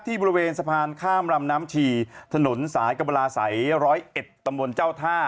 บริเวณสะพานข้ามลำน้ำฉี่ถนนสายกราศัย๑๐๑ตำบลเจ้าท่า